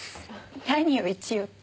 何よ一応って。